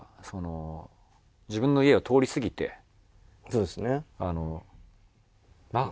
そうですね。なあ？